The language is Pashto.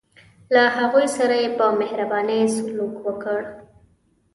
له هغوی سره یې په مهربانۍ سلوک وکړ.